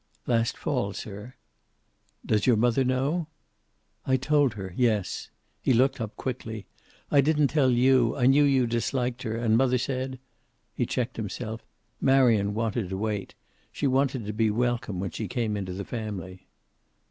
"Last fall, sir." "Does your mother know?" "I told her, yes." He looked up quickly. "I didn't tell you. I knew you disliked her, and mother said?" He checked himself. "Marion wanted to wait. She wanted to be welcome when she came into the family."